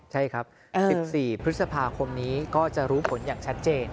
ใช่ครับ๑๔พฤษภาคมนี้ก็จะรู้ผลอย่างชัดเจน